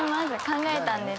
考えたんです。